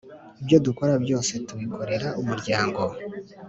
Ibyo dukora byose dubikorera Umuryango